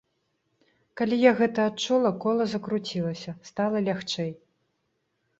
Калі я гэта адчула, кола закруцілася, стала лягчэй.